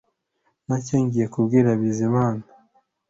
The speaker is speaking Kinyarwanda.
Ntacyo ngiye kubwira Bizimana